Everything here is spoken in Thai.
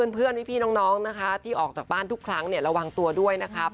พี่น้องนะคะที่ออกจากบ้านทุกครั้งระวังตัวด้วยนะครับ